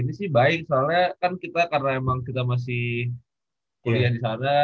sejauh ini sih baik soalnya kan kita karena emang kita masih kuliah disana